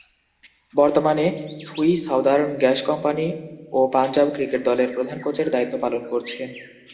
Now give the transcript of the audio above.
বর্তমানে Sui Southern gas company ও Punjab cricket দলের প্রধান কোচের দায়িত্ব পালন করছেন।